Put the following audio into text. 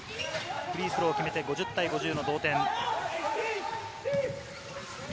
フリースローを決めて、５０対５０の同点。